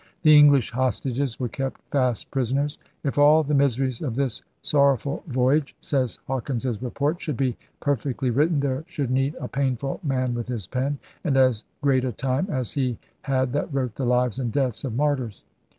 The English hostages were kept fast prisoners. *If all the miseries of this sorrow ful voyage,' says Hawkins's report, 'should be perfectly written, there should need a painful man with his pen, and as great a time as he had that wrote the lives and deaths of martyrs.'